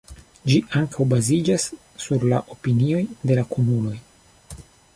Ĝi ankaŭ baziĝas sur la opinioj de la kunuloj.